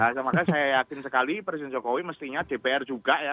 makanya saya yakin sekali presiden jokowi mestinya dpr juga ya